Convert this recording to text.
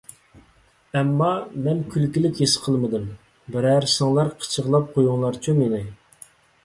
ئەمما مەن كۈلكىلىك ھېس قىلمىدىم. بىرەرسىڭلار قىچىقلاپ قويۇڭلارچۇ مېنى!